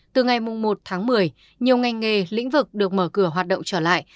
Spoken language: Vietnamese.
từ ngày một tháng một mươi nhiều ngành nghề lĩnh vực được mở cửa hoạt động trở lại